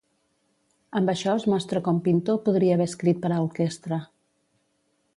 Amb això es mostra com Pinto podria haver escrit per a orquestra.